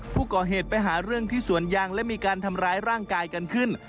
ไปหาเรื่องที่สวนยางและมีการทำร้ายร่างกายกันขึ้น